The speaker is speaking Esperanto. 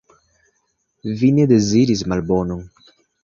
Vi ne deziris malbonon.